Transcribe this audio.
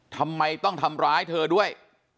ทำไมต้องทำร้ายเธอด้วย